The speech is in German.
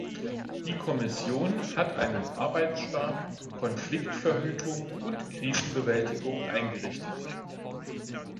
Die Kommission hat einen Arbeitsstab Konfliktverhütung und Krisenbewältigung eingerichtet.